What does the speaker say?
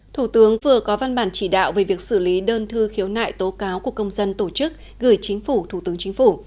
thủ tướng vừa có văn bản chỉ đạo về việc xử lý đơn thư khiếu nại tố cáo của công dân tổ chức gửi chính phủ thủ tướng chính phủ